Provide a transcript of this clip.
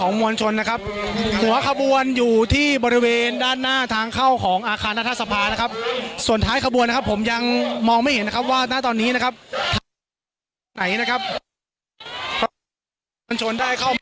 นำไปถ้าไม่ถอยไม่นำมากับสวัสดีครับอย่าเมื่อไหร่